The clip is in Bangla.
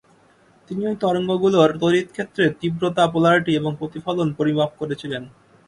তিনি ঐ তরঙ্গগুলোর তড়িৎক্ষেত্রের তীব্রতা, পোলারিটি এবং প্রতিফলন পরিমাপ করেছিলেন।